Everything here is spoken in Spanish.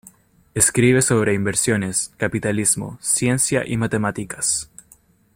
Escribe sobre inversiones, capitalismo, ciencia y matemáticas.